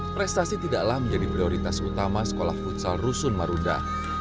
prestasi tidaklah menjadi prioritas utama sekolah futsal rusun marunda